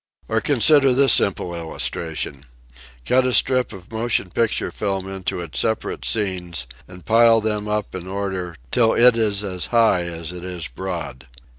Or consider this simple illustration : Cut a strip of motion picture film into its separate scenes and pile them up in order till it is as high as it is broad.